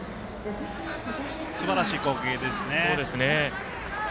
すばらしい光景ですね。